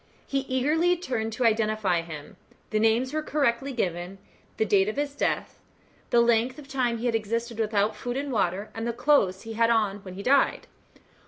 He eagerly turned to identify him. The name was correctly given; the date of his death; the length of time he had existed without food and water, and the clothes he had on when he died.